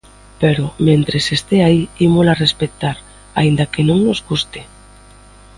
Pero, mentres estea aí, ímola respectar aínda que non nos guste.